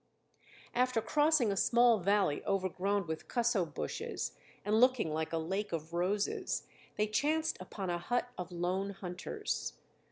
After crossing a small valley overgrown with cusso bushes and looking like a lake of roses, they chanced upon a hut of lone hunters.